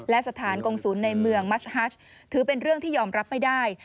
และสถานกงศูนย์ในเมืองมัชฮัชถือเป็นเรื่องที่ยอมรับไม่ได้